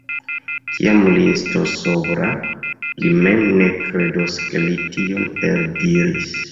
Kiam li estos sobra, li mem ne kredos, ke li tion eldiris.